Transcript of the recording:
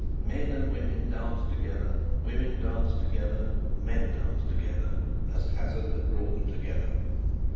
Men and women danced together, women danced together, men danced together, as hazard had brought them together.